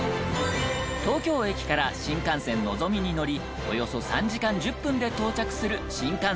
東京駅から新幹線のぞみに乗りおよそ３時間１０分で到着する新幹線の停車駅。